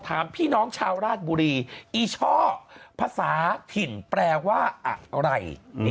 ถามพี่น้องชาวราชบุรีอีช่อภาษาถิ่นแปลว่าอะไร